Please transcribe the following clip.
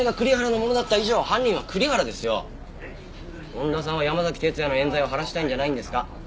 恩田さんは山崎哲也の冤罪を晴らしたいんじゃないんですか？